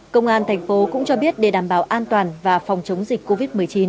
công an thành phố cũng cho biết để đảm bảo an toàn và phòng chống dịch covid một mươi chín